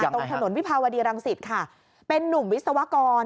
ตรงถนนวิภาวดีรังสิตค่ะเป็นนุ่มวิศวกร